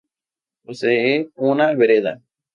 Posee una vereda.